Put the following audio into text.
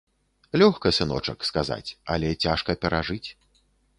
Лёгка, сыночак, сказаць, але цяжка перажыць.